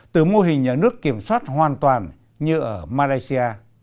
từ mô hình nhà nước kiểm soát hoàn toàn như ở malaysia